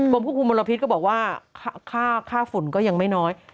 ควบคุมมลพิษก็บอกว่าค่าฝุ่นก็ยังไม่น้อย